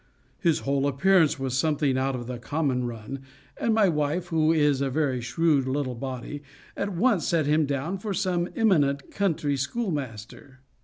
His whole appearance was something out of the common run; and my wife, who is a very shrewd little body, at once set him down for some eminent country schoolmaster.